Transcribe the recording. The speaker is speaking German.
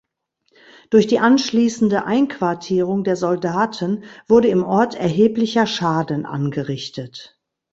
Durch die anschließende Einquartierung der Soldaten wurde im Ort erheblicher Schaden angerichtet.